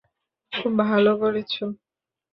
খুব ভালো করেছ।